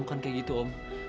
bukan kayak gitu om